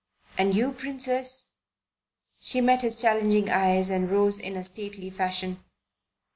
"And you, Princess?" She met his challenging eyes and rose in a stately fashion.